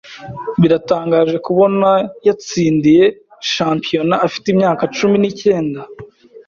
Biratangaje kubona yatsindiye championat afite imyaka cumi n'icyenda.